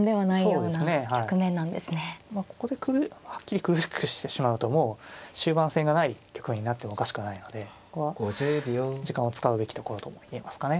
まあここではっきり苦しくしてしまうともう終盤戦がない局面になってもおかしくはないのでここは時間を使うべきところとも言えますかね。